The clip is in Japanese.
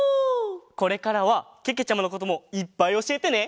これからはけけちゃまのこともいっぱいおしえてね！